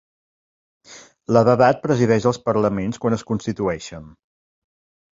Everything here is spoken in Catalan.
La d'edat presideix els parlaments quan es constitueixen.